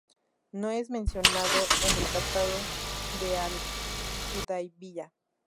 No es mencionado en el tratado de al-Hudaybiya.